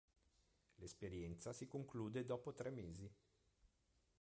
L'esperienza si conclude dopo tre mesi.